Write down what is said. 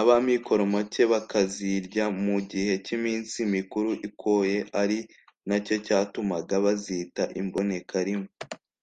abamikoro make bakazirya mu gihe cy’iminsi mikuru ikoye ari nacyo cyatumaga bazita ‘imbonekarimwe’